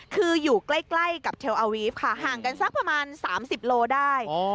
คืออยู่ใกล้กับเทลอาวีฟค่ะห่างกันสักประมาณ๓๐โลได้